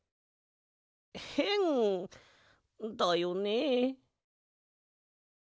へんだよね？